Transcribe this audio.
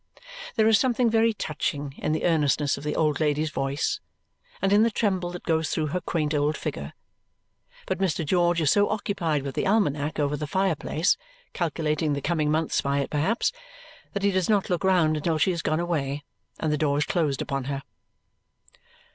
There is something very touching in the earnestness of the old lady's voice and in the tremble that goes through her quaint old figure. But Mr. George is so occupied with the almanac over the fire place (calculating the coming months by it perhaps) that he does not look round until she has gone away and the door is closed upon her.